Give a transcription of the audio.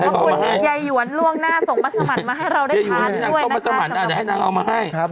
ขอบคุณเยยหยวนล่วงหน้าส่งมัสมันมาให้เราได้ทานด้วยนะครับ